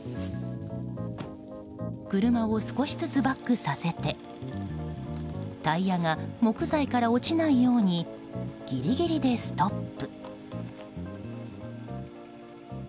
車を少しずつバックさせてタイヤが木材から落ちないようにギリギリでストップ。